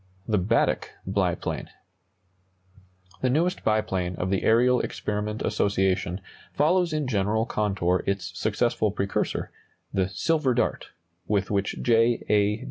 THE BADDECK BIPLANE. The newest biplane of the Aerial Experiment Association follows in general contour its successful precursor, the "Silver Dart," with which J. A.